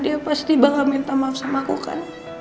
dia pasti bangga minta maaf sama aku kan